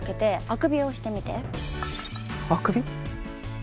あくび？